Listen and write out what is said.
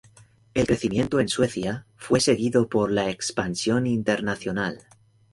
El crecimiento en Suecia fue seguido por la expansión internacional.